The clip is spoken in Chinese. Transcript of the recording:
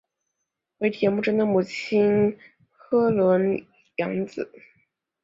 为铁木真的母亲诃额仑养子。